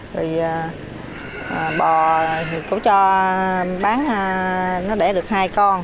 thì bò thì cô cho bán nó đẻ được hai con